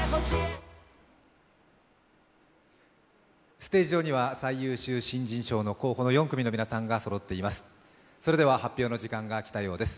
ステージ上には最優秀新人賞の候補の４組の皆さんがそろっています。